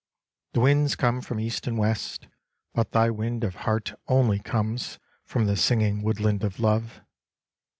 The winds come from east and west, But thy wind of heart only comes from The singing woodland of Love.